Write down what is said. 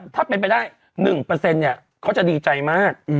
ถ้าเป็นไปได้๑เขาจะดีใจมาก